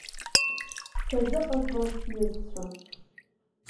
Сазыҟарҵон сҩызцәа.